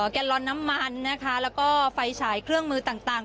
แกนลอนน้ำมันนะคะแล้วก็ไฟฉายเครื่องมือต่าง